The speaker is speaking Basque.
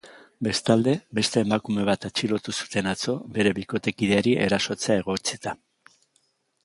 Bestalde, beste emakume bat atxilotu zuten atzo bere bikotekideari erasotzea egotzita.